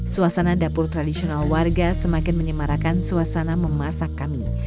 suasana dapur tradisional warga semakin menyemarakan suasana memasak kami